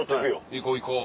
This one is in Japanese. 行こう行こう。